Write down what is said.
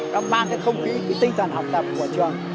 đang mang cái không khí cái tinh toàn học tập của trường